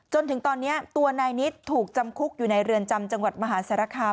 จนถึงตอนนี้ตัวนายนิดถูกจำคุกอยู่ในเรือนจำจังหวัดมหาสารคาม